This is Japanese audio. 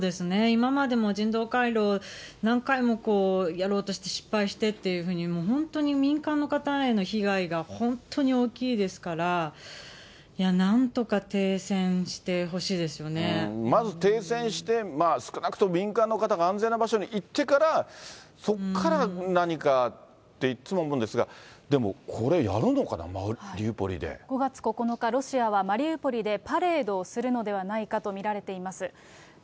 今までも人道回廊、何回もやろうとして失敗してっていうふうに、本当に民間の方への被害が本当に大きいですから、いや、まず停戦して、少なくとも民間の方が安全な場所に行ってから、そこから何かっていっつも思うんですが、でもこれ、やるのかな、５月９日、ロシアはマリウポリでパレードをするのではないかと見られています。